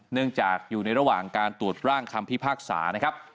เนื่องจากอยู่ในระหว่างการตรวจร่างคำพิพากษานะครับ